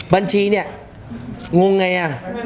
บัญชีเนี่ยงงไงอ่ะ